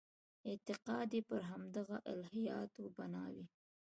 اعتقاد یې پر همدغسې الهیاتو بنا وي.